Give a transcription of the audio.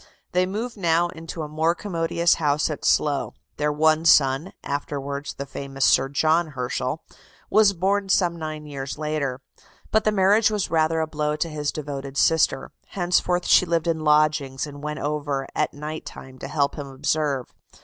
They moved now into a more commodious house at Slough. Their one son, afterwards the famous Sir John Herschel, was born some nine years later. But the marriage was rather a blow to his devoted sister: henceforth she lived in lodgings, and went over at night time to help him observe.